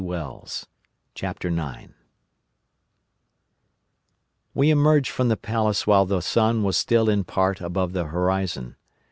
In the Darkness "We emerged from the Palace while the sun was still in part above the horizon.